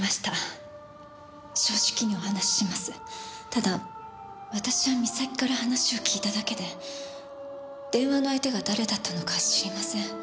ただ私は美咲から話を聞いただけで電話の相手が誰だったのか知りません。